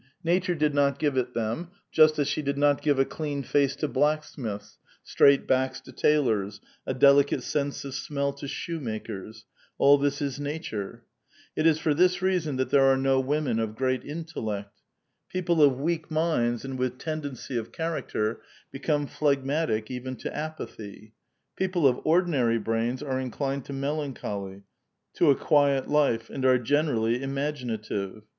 Nature '' did not give it them, just as she did not give a clean face to i blacksmiths, straight backs to tailoi*s, a delicate sense of I { smell to shoemakers ; all this is nature. It is for this rea ' son that there are no women of great intellect. People of weak minds and with tendency of character become phleg matic even to apathy. People of ordinary brains are in clined to melancholy, to a quiet life, and are generally imagi native.